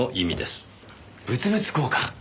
物々交換。